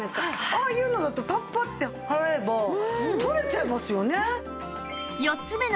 ああいうのだとパッパッて払えば取れちゃいますよね。